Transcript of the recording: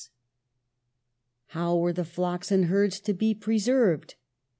128 PASTEUR How were the flocks and herds to be preserved?